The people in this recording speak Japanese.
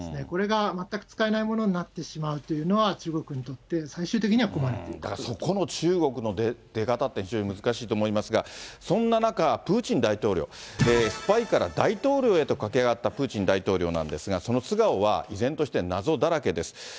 これが全く使えないものになってしまうというのは、中国にとってだから、そこの中国の出方って、非常に難しいと思いますが、そんな中、プーチン大統領、スパイから大統領へと駆け上がったプーチン大統領なんですが、その素顔は依然として謎だらけです。